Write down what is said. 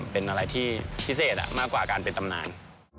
เป็นอะไรที่พิเศษมากกว่าการเป็นตำนาน